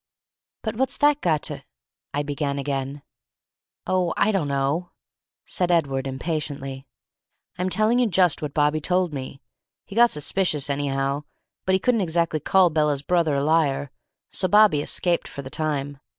"But what's that got to " I began again. "Oh, I dunno," said Edward, impatiently. "I'm telling you just what Bobby told me. He got suspicious, anyhow, but he couldn't exactly call Bella's brother a liar, so Bobby escaped for the time.